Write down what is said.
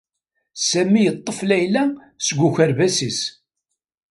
Sami yeṭṭef Layla seg ukerbas-is.